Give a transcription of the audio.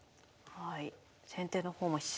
はい。